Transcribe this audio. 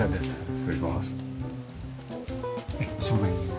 失礼します。